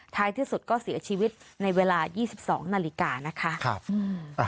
ที่สุดก็เสียชีวิตในเวลา๒๒นาฬิกานะคะ